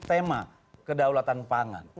tema kedaulatan pangan